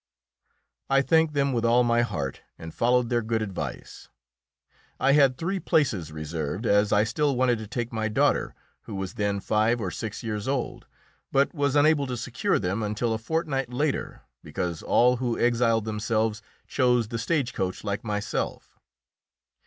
I thanked them with all my heart, and followed their good advice. I had three places reserved, as I still wanted to take my daughter, who was then five or six years old, but was unable to secure them until a fortnight later, because all who exiled themselves chose the stage coach, like myself.